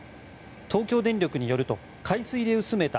東京電力によると、海水で薄めた